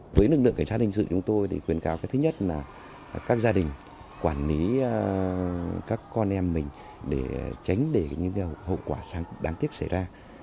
với lực lượng cảnh sát hình sự chúng tôi thì khuyến cáo thứ nhất là các gia đình quản lý các con em mình để tránh để những hậu quả đáng tiếc xảy ra